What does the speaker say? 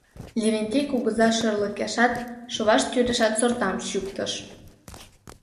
Левентей кугыза шӧрлыкешат, шоваш тӱрешат сортам чӱктыш.